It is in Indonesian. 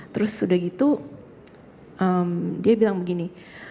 terus sudah gitu dia bilang begini